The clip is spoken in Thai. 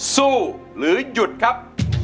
สู้หรือหยุดครับ